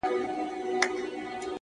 كه خپلوې مي نو در خپل مي كړه زړكيه زما’